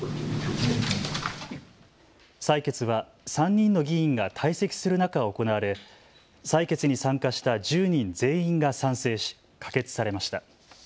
採決は３人の議員が退席する中行われ採決に参加した１０人全員が賛成し可決されました。